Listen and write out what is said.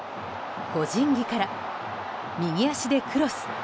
個人技から右足でクロス。